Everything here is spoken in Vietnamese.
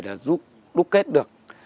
để giúp đúc kết được